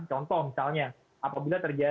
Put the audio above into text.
contohnya di kementerian pariwisata